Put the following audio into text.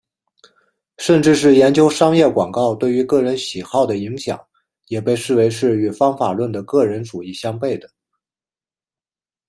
甚至是研究商业广告对于个人喜好的影响也被视为是与方法论的个人主义相背的。